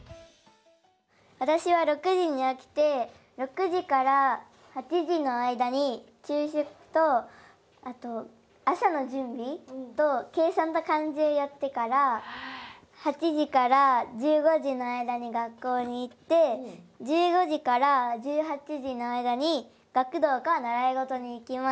私は６時に起きて６時から８時の間に朝食とあと朝の準備と計算と漢字をやってから８時から１５時の間に学校に行って１５時から１８時の間に学童か習い事に行きます。